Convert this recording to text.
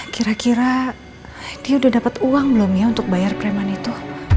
kira kira dia udah dapat uang belum ya untuk bayar preman itu